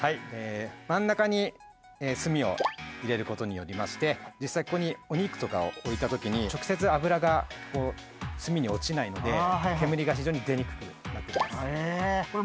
真ん中に炭を入れることによりまして実際ここにお肉とかを置いたときに直接油が炭に落ちないので煙が非常に出にくくなってます。